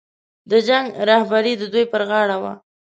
د جنګ رهبري د دوی پر غاړه وه.